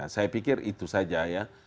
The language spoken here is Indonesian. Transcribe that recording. saya pikir itu saja ya